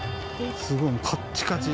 すごい、かっちかち。